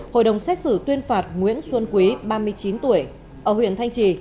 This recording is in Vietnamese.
hội đồng xét xử tuyên phạt nguyễn xuân quý ba mươi chín tuổi ở huyện thanh trì